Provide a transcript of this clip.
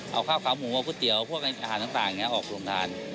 เอาข้าวขาหมูเอาก๋วยเตี๋ยวพวกอาหารต่างออกโรงทาน